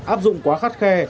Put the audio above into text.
áp dụng quá khắt khe